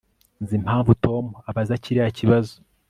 Nzi impamvu Tom abaza kiriya kibazo